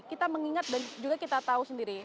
kita mengingat dan juga kita tahu sendiri